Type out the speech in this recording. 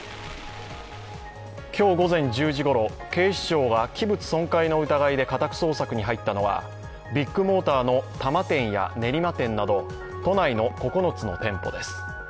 今日午前１０時ごろ警視庁が器物損壊の疑いで家宅捜索に入ったのはビッグモーターの多摩店や練馬店など都内の９つの店舗です。